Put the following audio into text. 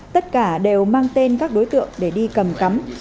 tất cả đều mang tên các đối tượng để đi cầm cắm